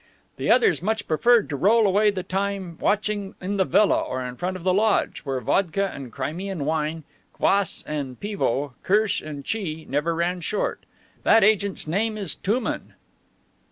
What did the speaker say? The others much preferred to roll away the time watching in the villa or in front of the lodge, where vodka and Crimean wine, kwass and pivo, kirsch and tchi, never ran short. That agent's name is Touman."